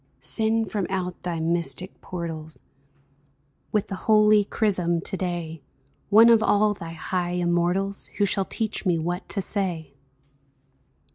Send from out thy mystic portals With the holy chrism to day, One of all thy high immortals Who shall teach me what to say